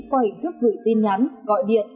qua hình thức gửi tin nhắn gọi điện